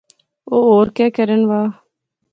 او ہور کہہ کرین وہا